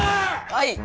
はい！